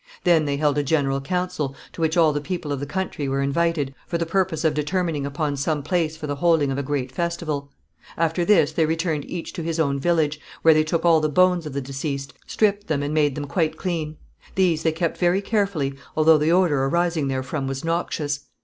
Then they held a general council, to which all the people of the country were invited, for the purpose of determining upon some place for the holding of a great festival. After this they returned each to his own village, where they took all the bones of the deceased, stripped them and made them quite clean. These they kept very carefully, although the odour arising therefrom was noxious.